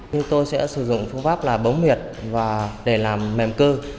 chúng tôi sẽ sử dụng phương pháp bóng miệt để làm mềm cơ